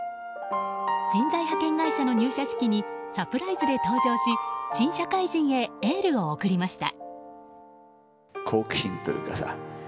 人材派遣会社の入社式にサプライズで登場し新社会人へエールを送りました。